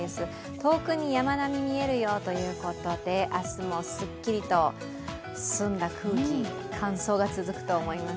遠くに山並み見えるよということで、明日もすっきりと澄んだ空気、乾燥が続くと思います。